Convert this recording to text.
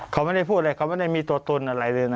เขาไม่ได้พูดอะไรเขาไม่ได้มีตัวตนอะไรเลยนะ